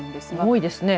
多いですね。